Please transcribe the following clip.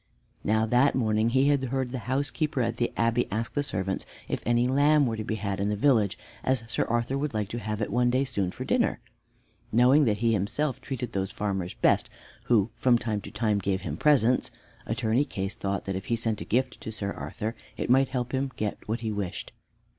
Now that morning he had heard the housekeeper at the Abbey ask the servants if any lamb were to be had in the village, as Sir Arthur would like to have it one day soon for dinner. Knowing that he himself treated those farmers best who from time to time gave him presents, Attorney Case thought that if he sent a gift to Sir Arthur, it might help him to get what he wished.